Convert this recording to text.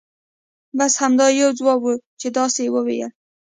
بس همدا یو ځواب وو چې داسې یې ویل.